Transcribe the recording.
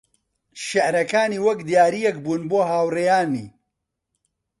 شیعرەکانی وەک دیارییەک بوون بۆ هاوڕێیانی